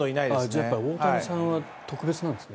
じゃあ大谷さんは特別なんですね。